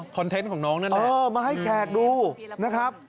อ๋อคอนเทนต์ของน้องนั่นแหละอ๋อมาให้แขกดูนะครับ